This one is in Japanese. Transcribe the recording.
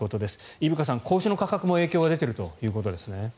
伊深さん、子牛の価格も影響が出ているということですね。